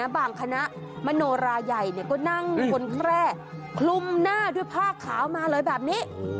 บางคณะมโนราใหญ่เนี่ยก็นั่งกลแกล้คลุมหน้าด้วยผ้าขาวมาเลยแบบนี้